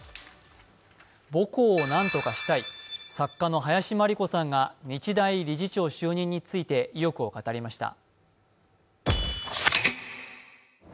母校を何とかしたい作家の林真理子さんが日大理事長就任について意欲を語りました。